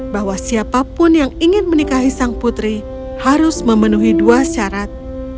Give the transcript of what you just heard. bahwa siapapun yang ingin menikahi sang putri harus memenuhi dua syarat